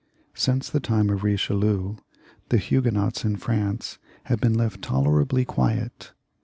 Since the time of Eichelieu the Huguenots in France had been left tolerably quiet.